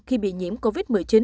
khi bị nhiễm covid một mươi chín